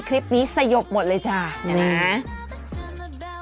คลิปนี้สยบหมดเลยจ้าเห็นไหม